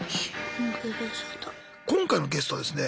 今回のゲストはですねね